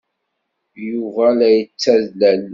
Yuba la tt-yettalel.